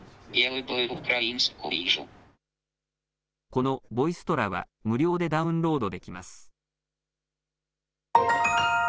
このボイストラは無料でダウンロードできます。